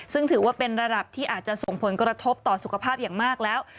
ซึ่งถือว่าเป็นระดับที่อาจจะส่งผลกระทบต่อสุขภาพอย่างมากแล้ว